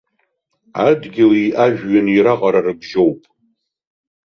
Адгьыли ажәҩани раҟара рыбжьоуп.